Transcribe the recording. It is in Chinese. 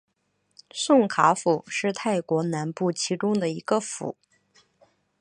宋卡府是泰国南部其中的一个府。